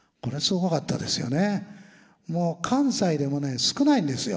もう関西でも少ないんですよ。